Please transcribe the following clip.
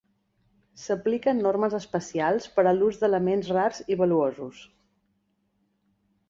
S'apliquen normes especials per a l'ús d'elements rars i valuosos.